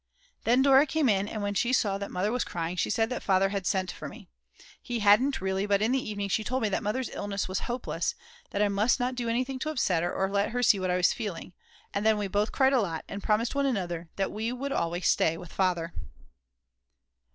Then Dora came in and when she saw that Mother was crying she said that Father had sent for me. He hadn't really but in the evening she told me that Mother's illness was hopeless, but that I must not do anything to upset her or let her see what I was feeling. And then we both cried a lot and promised one another that we would always stay with Father.